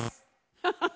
ハハハハ。